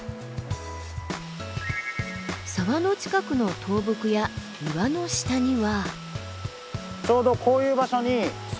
沢の近くの倒木や岩の下には。